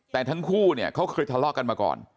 แต่ทั้งคู่เนี่ยเขาเคยทะเลาะกันมาก่อน